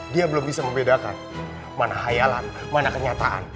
dia belum bisa membedakan mana hayalan mana kenyataan